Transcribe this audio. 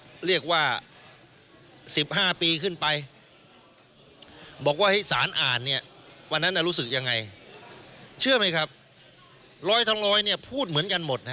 เขาเรียกว่า๑๕ปีขึ้นไปบอกว่าให้สารอ่านเนี่ยวันนั้นรู้สึกยังไงเชื่อไหมครับร้อยทั้งร้อยเนี่ยพูดเหมือนกันหมดฮะ